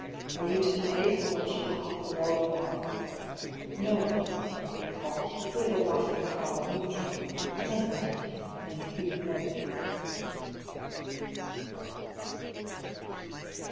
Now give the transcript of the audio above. "Are you to pay for what you have With all you are?" No other word We caught, but with a laughing crowd Moved on. None heeded, and few heard.